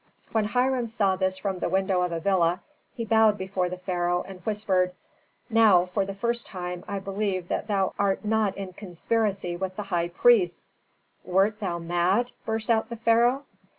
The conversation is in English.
When Hiram saw this from the window of a villa, he bowed before the pharaoh and whispered, "Now for the first time I believe that thou art not in conspiracy with the high priests." "Wert thou mad?" burst out the pharaoh.